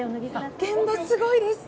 現場すごいです！